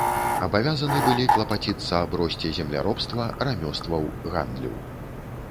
Абавязаны былі клапаціцца аб росце земляробства, рамёстваў, гандлю.